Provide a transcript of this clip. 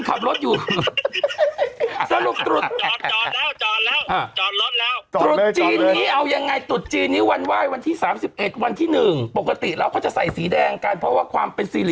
คือต้องเรียนคุณพันดำแบบนี้